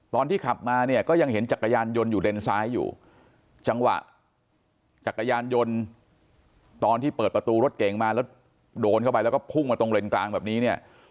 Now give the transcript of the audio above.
ตอนที่ขับมาเนี่ยก็ยังเห็นจักรยานยนต์อยู่เลนซ้ายอยู่จังหวะจักรยานยนต์ตอนที่เปิดประตูรถเก่งมาแล้วโดนเข้าไปแล้วก็พุ่งมาตรงเลนกลางแบบนี้เนี่ย